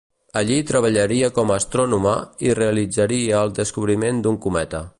Allí treballaria com a astrònoma i realitzaria el descobriment d'un cometa.